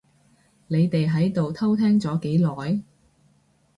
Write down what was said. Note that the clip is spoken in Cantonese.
你哋喺度偷聽咗幾耐？